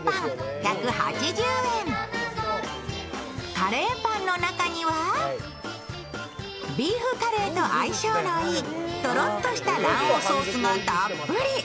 カレーパンの中には、ビーフカレーと相性のいいトロっとした卵黄ソースがたっぷり。